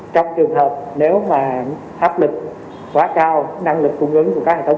trong trường hợp nếu mà áp lực quá cao năng lực cung ứng của các hệ thống